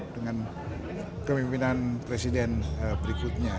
dengan kepimpinan presiden berikutnya